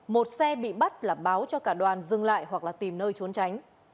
một xe bị bắt là báo cho cả đoàn dừng lại hoặc là tìm nơi trốn tránh